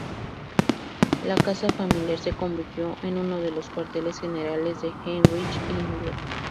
La casa familiar se convirtió en uno de los cuarteles generales de Heinrich Himmler.